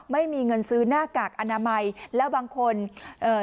ไม่มีเงินซื้อหน้ากากอนามัยแล้วบางคนเอ่อ